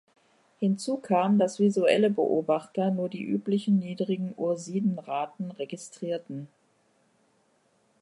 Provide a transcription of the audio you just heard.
Hinzu kam, dass visuelle Beobachter nur die üblichen niedrigen Ursiden-Raten registrierten.